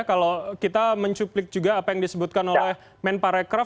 kalau kita mencuplik juga apa yang disebutkan oleh men parekraf